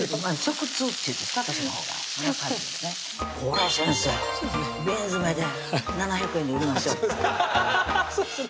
これ先生瓶詰で７００円で売りましょうハハハハッ